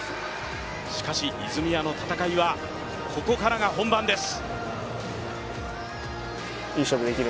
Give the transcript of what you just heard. しかし泉谷の戦いはここからが本番です。